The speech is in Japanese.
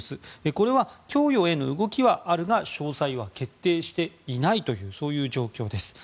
これは供与への動きはあるが詳細は決定していないという状況のようです。